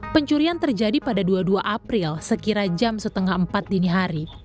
pencurian terjadi pada dua puluh dua april sekira jam setengah